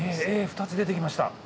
２つ出てきました。